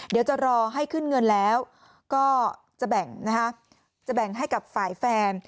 เดี๋ยวจะรอให้ขึ้นเงินแล้วก็จะแบ่งให้กับฝ่ายแฟน